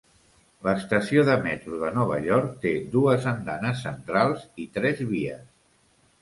L'estació de metro de Nova York té dues andanes centrals i tres vies.